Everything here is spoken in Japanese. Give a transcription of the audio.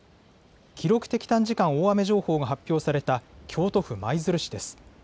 記録的短時間大雨情報が発表された京都府舞鶴市です。